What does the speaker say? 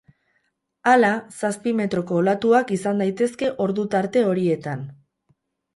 Hala, zazpi metroko olatuak izan daitezke ordu tarte horietan.